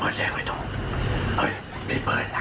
ไม่เดินนะ